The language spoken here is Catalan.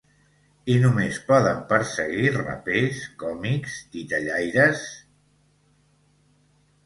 I només poden perseguir rapers, còmics, titellaires…